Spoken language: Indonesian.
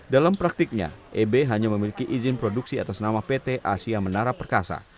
dalam praktiknya eb hanya memiliki izin produksi atas nama pt asia menara perkasa